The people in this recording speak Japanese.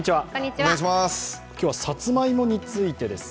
今日はさつまいもについてです。